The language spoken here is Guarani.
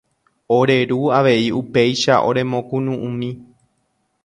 Ore ru avei upéicha oremokunu'ũmi.